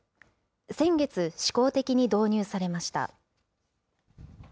先月、試行的に導入されました。